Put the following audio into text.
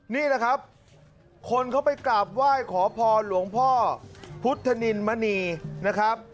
นี่แหละครับคนเขาไปกราบไหว้ขอพรหลวงพ่อพุทธนินมณีนะครับ